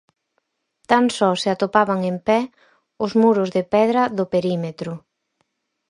Tan só se atopaban en pé os muros de pedra do perímetro.